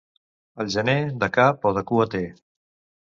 El gener, de cap o de cua té.